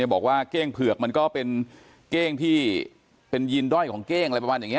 บอกว่าเก้งเผือกมันก็เป็นเก้งที่เป็นยีนด้อยของเก้งอะไรประมาณอย่างนี้